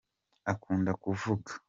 akunda kuvuga